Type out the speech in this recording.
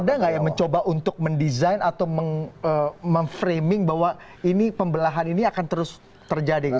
ada nggak yang mencoba untuk mendesain atau memframing bahwa ini pembelahan ini akan terus terjadi gitu